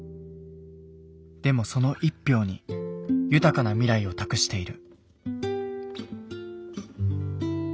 でもその１票に豊かな未来を託している。